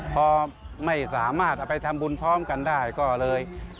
พอไม่สามารถเอาไปทำบุญพร้อมกันได้ก็เลย